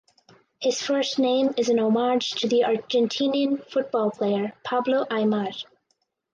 His first name is an homage to the Argentinian football player Pablo Aimar.